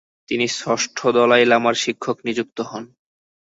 তিনি ষষ্ঠ দলাই লামার শিক্ষক নিযুক্ত হন।